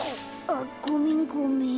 あっごめんごめん。